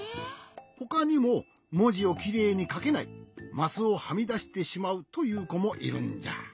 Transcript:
ほかにももじをきれいにかけないマスをはみだしてしまうというこもいるんじゃ。